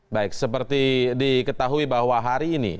baik seperti diketahui bahwa hari ini